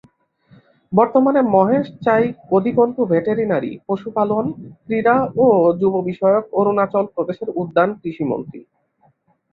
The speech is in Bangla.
বর্তমানে মহেশ চাই অধিকন্তু ভেটেরিনারি, পশুপালন, ক্রীড়া ও যুব বিষয়ক, অরুণাচল প্রদেশের উদ্যান, কৃষি মন্ত্রী।